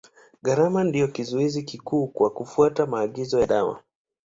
Gharama ndio kizuizi kikuu kwa kufuata maagizo ya madawa.